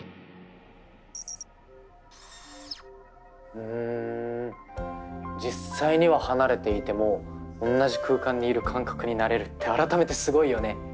ふん実際には離れていても同じ空間にいる感覚になれるって改めてすごいよね。